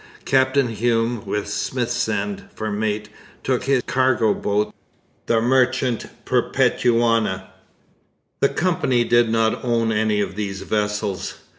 Captain Hume, with Smithsend for mate, took his cargo boat, the Merchant Perpetuana. The Company did not own any of these vessels.